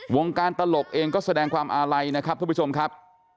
วงการตลกเองก็แสดงความอาลัยนะครับทุกผู้ชมครับ